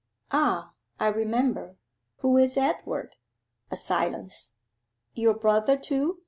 'Ah, I remember. Who is Edward?' A silence. 'Your brother, too?